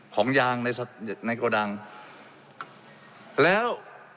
ของยางในโกดังแล้ว